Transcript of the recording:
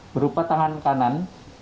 berupa tangan kanan